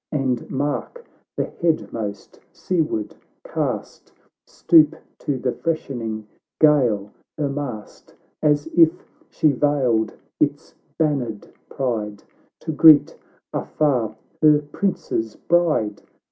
And mark the headmost, seaward cast, Stoop to the freshening gale her mast, As il she vailed J its bannered pride, To greet afar her prince's bride